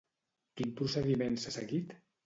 Quin procediment s'ha seguit?